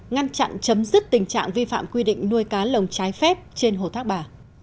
ngăn chặn chấm dứt tình trạng vi phạm quy định nuôi cá lồng trái phép trên hồ thác bà